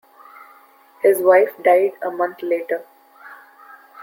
His wife died a month later.